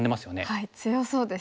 はい強そうですね。